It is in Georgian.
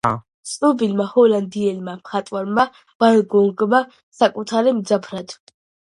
ცნობილმა ჰოლანდიელმა მხატვარმა ვან გოგმა საკუთარი მძაფრად.